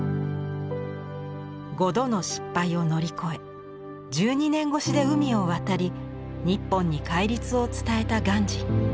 ５度の失敗を乗り越え１２年越しで海を渡り日本に戒律を伝えた鑑真。